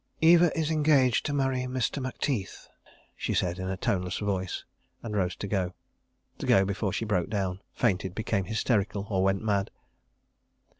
"Eva is engaged to marry Mr. Macteith," she said in a toneless voice, and rose to go—to go before she broke down, fainted, became hysterical, or went mad.